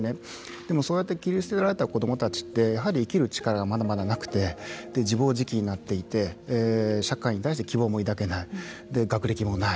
でも、そうやって切り捨てられた子どもたちって生きる力がまだまだなくて自暴自棄になっていて社会に対して希望も抱けない。